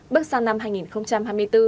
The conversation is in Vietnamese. bước sang năm hai nghìn hai mươi bốn